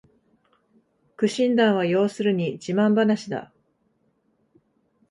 苦心談は要するに自慢ばなしだ